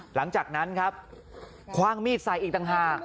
หลังจากนั้นครับคว่างมีดใส่อีกต่างหาก